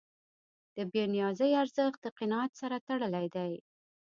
د بېنیازۍ ارزښت د قناعت سره تړلی دی.